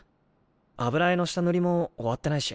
油絵の下塗りも終わってないし。